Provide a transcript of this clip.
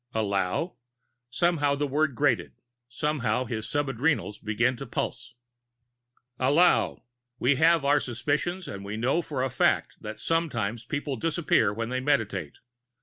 "Allow?" Somehow the word grated; somehow his sub adrenals began to pulse. "Allow! We have our suspicions and we know for a fact that sometimes people disappear when they meditate.